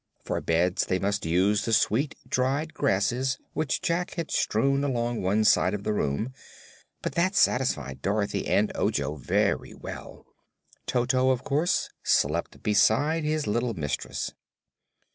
For beds they must use the sweet dried grasses which Jack had strewn along one side of the room, but that satisfied Dorothy and Ojo very well. Toto, of course, slept beside his little mistress.